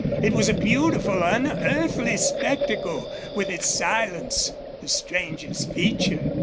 It was a beautiful, unearthly spectacle, with its silence the strangest feature.